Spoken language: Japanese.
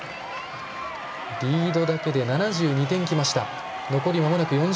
リードだけで７２点きました。